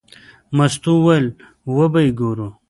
مستو وویل: وبه یې ګورې.